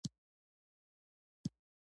ملګری د زړه ارام دی